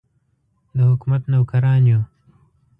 د حکومت نوکران یو.